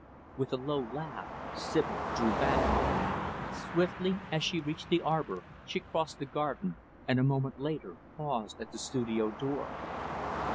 With a low laugh, Sibyl drew back. Swiftly, as she had reached the arbor, she crossed the garden, and a moment later, paused at the studio door.